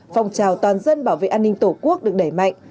phòng trào toàn dân bảo vệ an ninh tổ quốc được đẩy mạnh